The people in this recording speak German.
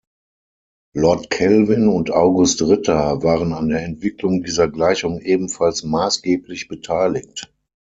Lord Kelvin und August Ritter waren an der Entwicklung dieser Gleichung ebenfalls maßgeblich beteiligt.